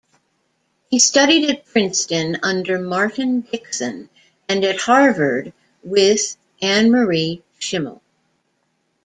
He studied at Princeton under Martin Dickson and at Harvard with Annemarie Schimmel.